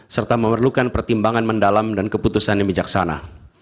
serta memerlukan pertimbangan mendalam dan keputusan yang bijaksana